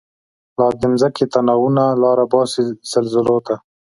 لا د مځکی تناوونه، لاره باسی زلزلوته